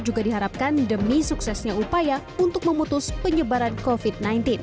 juga diharapkan demi suksesnya upaya untuk memutus penyebaran covid sembilan belas